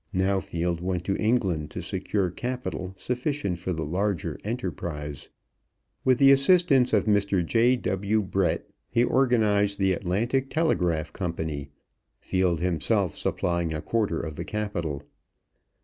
Now Field went to England to secure capital sufficient for the larger enterprise. With the assistance of Mr. J.W. Brett he organized the Atlantic Telegraph Company, Field himself supplying a quarter of the capital.